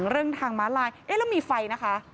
เรื่องทางม้าลายเอ๊ะแล้วมีไฟนะคะ